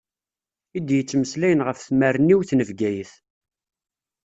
I d-yettmeslayen ɣef tmerniwt n Bgayet.